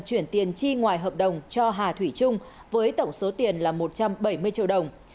chuyển tiền chi ngoài hợp đồng cho hà thủy trung với tổng số tiền là một trăm bảy mươi triệu đồng